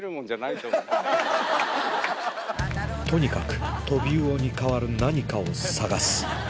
とにかくトビウオに替わる何かを探す